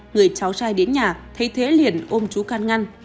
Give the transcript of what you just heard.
người cháu trai đến nhà thấy thế liền ôm chú can ngăn